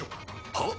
はっ？